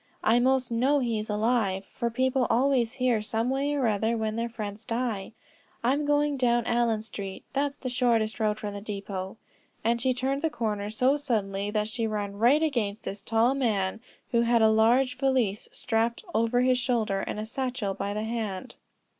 I most know he is alive, for people always hear, some way or other, when their friends die. I'm going down Allen Street; that's the shortest road from the depot;" and she turned the corner so suddenly that she ran right against this tall man who had a large valise strapped over his shoulder, and a satchel by the hand.